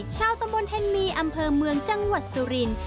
ชาวตำบลเทนมีอำเภอเมืองจังหวัดสุรินทร์